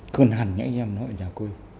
cơn hẳn những anh em nó ở nhà quê